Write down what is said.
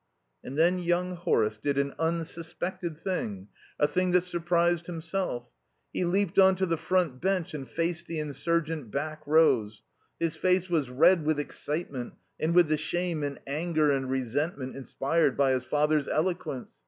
And then young Horace did an unsuspected thing, a thing that surprised himself. He leaped on to the front bench and faced the insurgent back rows. His face was red with excitement, and with the shame and anger and resentment inspired by his father's eloquence.